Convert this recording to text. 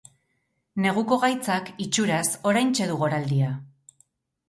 Neguko gaitzak, itxuraz, oraintxe du goraldia.